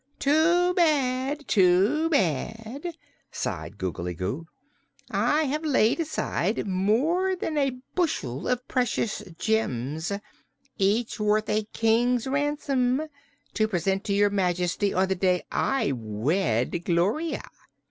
"Too bad, too bad!" sighed Googly Goo. "I have laid aside more than a bushel of precious gems each worth a king's ransom to present to your Majesty on the day I wed Gloria."